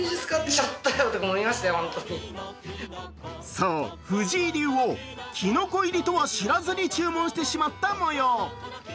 そう、藤井竜王、キノコ入りとは知らずに注文してしまったもよう。